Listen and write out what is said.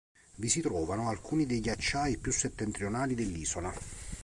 Vi si trovano alcuni dei ghiacciai più settentrionali dell'isola.